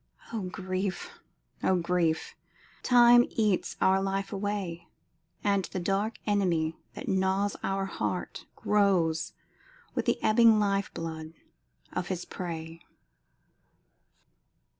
O grief! O grief! Time eats our life away, And the dark Enemy that gnaws our heart Grows with the ebbing life blood of his prey!